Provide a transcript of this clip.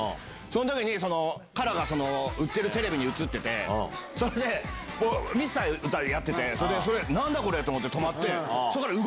その時にＫＡＲＡが売ってるテレビに映っててそれで『ミスター』やってて何だこれ！と思って止まって。